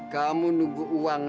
kamu nunggu uang